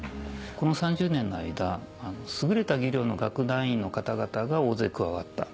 この３０年の間優れた技量の楽団員の方々が大勢加わった。